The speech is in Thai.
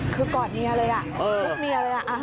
คือกอดเมียเลยอ่ะคุกเมียเลยอ่ะ